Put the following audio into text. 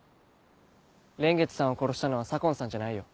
蓮月さんを殺したのは左紺さんじゃないよ。